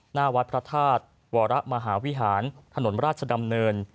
หน้าวัดพระธาตุวรมหาวิหารถนนราชดำเนิน